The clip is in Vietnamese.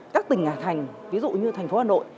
các tỉnh thành ví dụ như thành phố hà nội